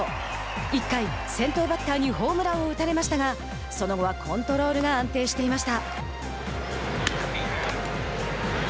１回、先頭バッターにホームランを打たれましたがその後はコントロールが安定していました。